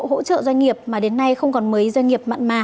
hỗ trợ doanh nghiệp mà đến nay không còn mấy doanh nghiệp mặn mà